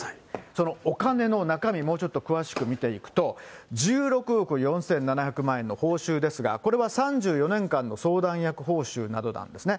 そのお金の中身、もうちょっと詳しく見ていくと、１６億４７００万円の報酬ですが、これは３４年間の相談役報酬などなんですね。